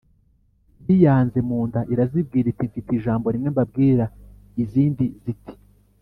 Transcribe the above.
biyanze mu nda, irazibwira iti: “Mfite ijambo rimwe mbabwira. ” Izindi ziti: